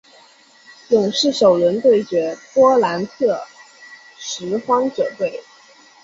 勇士首轮对决波特兰拓荒者队。